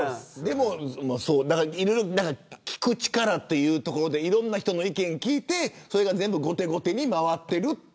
聞く力というところでいろんな人の意見を聞いてそれが全部後手後手に回っている。